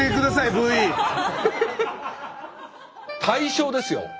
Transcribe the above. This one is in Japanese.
大正ですよ。